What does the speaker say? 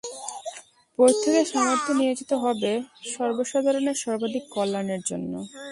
প্রত্যেকের সামর্থ্য নিয়োজিত হবে সর্বসাধারণের সর্বাধিক কল্যাণের জন্য'।